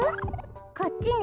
こっちね？